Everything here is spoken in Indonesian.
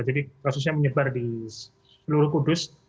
jadi kasusnya menyebar di seluruh kudus